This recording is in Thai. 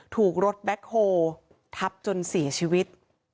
ถูกรถแบ็คโฮทับจนเสียชีวิต